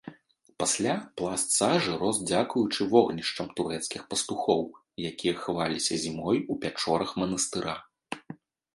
Пасля пласт сажы рос дзякуючы вогнішчам турэцкіх пастухоў, якія хаваліся зімой у пячорах манастыра.